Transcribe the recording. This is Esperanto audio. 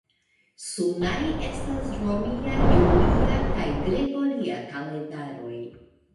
Sunaj estas romia, julia kaj gregoria kalendaroj.